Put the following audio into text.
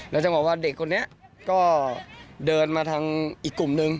จังหวะว่าเด็กคนนี้ก็เดินมาทางอีกกลุ่มนึง